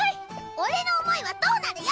俺の思いはどうなるよ